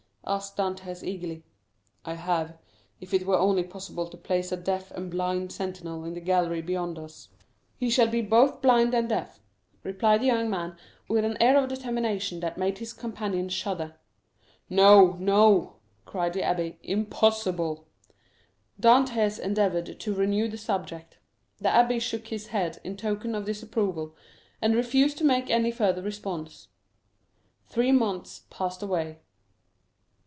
asked Dantès eagerly. "I have; if it were only possible to place a deaf and blind sentinel in the gallery beyond us." "He shall be both blind and deaf," replied the young man, with an air of determination that made his companion shudder. "No, no," cried the abbé; "impossible!" Dantès endeavored to renew the subject; the abbé shook his head in token of disapproval, and refused to make any further response. Three months passed away.